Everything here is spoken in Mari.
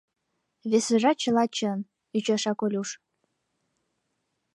— Весыжат чыла чын! — ӱчаша Колюш.